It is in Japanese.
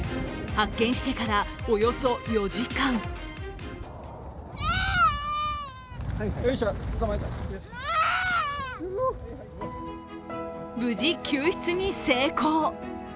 発見してから、およそ４時間無事、救出に成功。